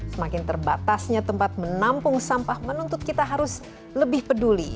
semakin terbatasnya tempat menampung sampah menuntut kita harus lebih peduli